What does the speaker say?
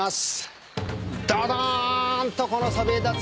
ドドンとこのそびえ立つ